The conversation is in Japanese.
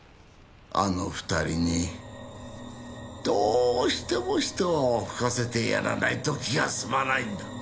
あの２人にどうしても一泡吹かせてやらないと気が済まないんだ。